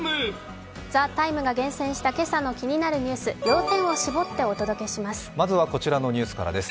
「ＴＨＥＴＩＭＥ，」が厳選した今朝のニュース、要点を絞ってお届けします。